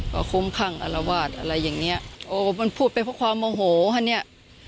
ก็คุ้มข้างอารวาสอะไรอย่างเงี้ยโอ้มันพูดไปเพราะความโมโหฮะเนี้ย